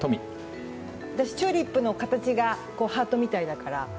私はチューリップの形がハートみたいだから、３番。